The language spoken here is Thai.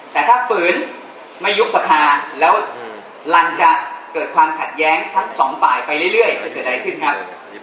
แต่ถ้าฝืนไม่ยุบสภาแล้วรังจะเกิดความขัดแย้งทั้งสองฝ่ายไปเรื่อยจะเกิดอะไรขึ้นครับ